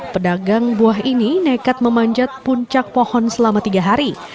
pedagang buah ini nekat memanjat puncak pohon selama tiga hari